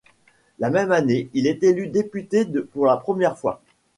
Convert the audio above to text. La même année, il est élu député pour la première fois.